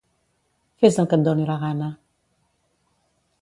Fes el que et doni la gana.